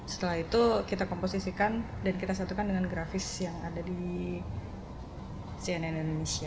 setelah itu kita komposisikan dan kita satukan dengan grafis yang ada di cnn indonesia